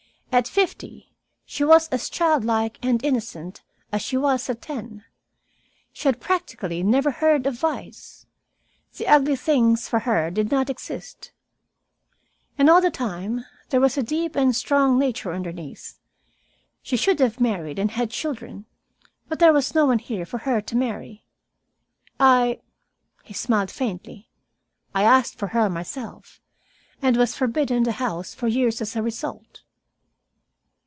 At fifty she was as childlike and innocent as she was at ten. She had practically never heard of vice. The ugly things, for her, did not exist. "And, all the time, there was a deep and strong nature underneath. She should have married and had children, but there was no one here for her to marry. I," he smiled faintly, "I asked for her myself, and was forbidden the house for years as a result.